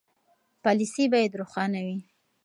پالیسي باید روښانه وي.